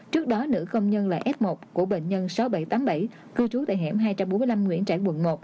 trước đó nữ công nhân là f một của bệnh nhân sáu nghìn bảy trăm tám mươi bảy cư trú tại hẻm hai trăm bốn mươi năm nguyễn trãi quận một